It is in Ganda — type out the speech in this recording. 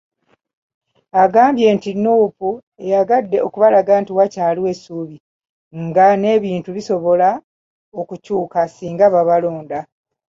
Agambye nti Nuupu eyagadde okubalaga nti wakyaliwo essuubi nga n'ebintu bisobola okukyuka singa babalonda.